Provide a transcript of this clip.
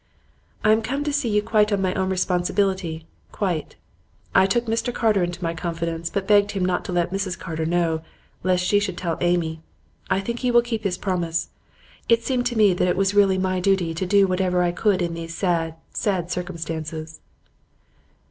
'I am come to see you quite on my own responsibility, quite. I took Mr Carter into my confidence, but begged him not to let Mrs Carter know, lest she should tell Amy; I think he will keep his promise. It seemed to me that it was really my duty to do whatever I could in these sad, sad circumstances.